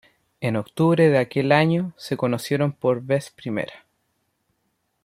En octubre de aquel año se conocieron por vez primera.